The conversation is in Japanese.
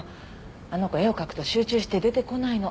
あの子絵を描くと集中して出てこないの。